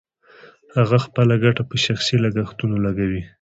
هغه خپله ګټه په شخصي لګښتونو لګوي